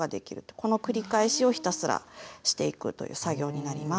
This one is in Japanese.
この繰り返しをひたすらしていくという作業になります。